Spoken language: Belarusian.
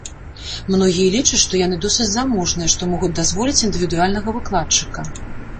Многія лічаць, што яны досыць заможныя, што могуць дазволіць індывідуальнага выкладчыка.